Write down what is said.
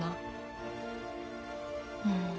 うん。